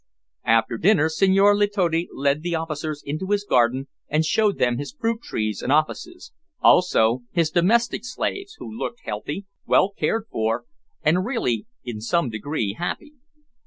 After dinner, Senhor Letotti led the officers into his garden, and showed them his fruit trees and offices, also his domestic slaves, who looked healthy, well cared for, and really in some degree happy.